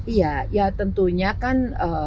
iya ya tentunya kan